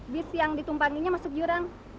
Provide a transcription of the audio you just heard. bis yang ditumpanginya masuk jurang